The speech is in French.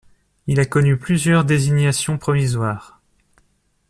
Il a connu plusieurs désignations provisoires.